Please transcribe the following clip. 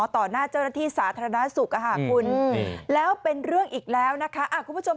ต่อหน้าเจ้าหน้าที่สาธารณสุขค่ะคุณ